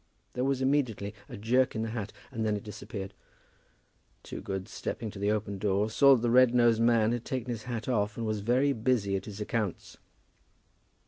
There was immediately a jerk in the hat, and then it disappeared. Toogood, stepping to the open door, saw that the red nosed clerk had taken his hat off and was very busy at his accounts.